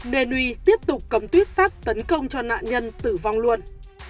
nền uy tiếp tục cầm tuyết sắt tấn công cho nạn nhân tử vong luôn